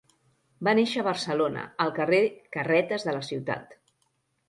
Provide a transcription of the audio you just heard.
Va néixer a Barcelona, al carrer Carretes de la ciutat.